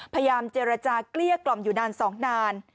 พยายามเจรจาเกลี้ยกล่อมอยู่นาน๒นาน